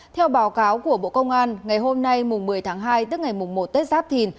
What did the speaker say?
theo báo cáo của bộ công an ngày hôm nay một mươi tháng hai tức ngày một tết giáp thìn